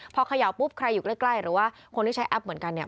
พอเขย่าปุ๊บใครอยู่ใกล้หรือว่าคนที่ใช้แอปเหมือนกันเนี่ย